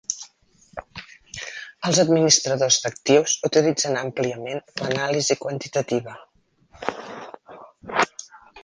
Els administradors d'actius utilitzen àmpliament l'anàlisi quantitativa.